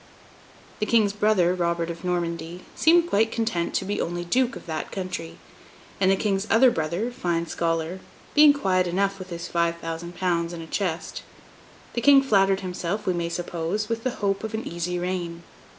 The King's brother, Robert of Normandy, seeming quite content to be only Duke of that country; and the King's other brother, Fine Scholar, being quiet enough with his five thousand pounds in a chest; the King flattered himself, we may suppose, with the hope of an easy reign.